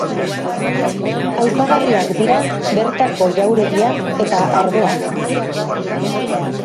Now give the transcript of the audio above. Aipagarriak dira bertako jauregia eta ardoak.